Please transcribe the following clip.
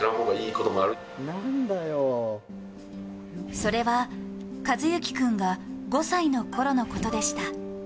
それは寿志君が５歳のころのことでした。